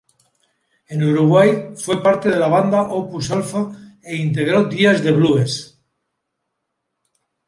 En Uruguay, fue parte de la banda Opus Alfa e integró Días de Blues.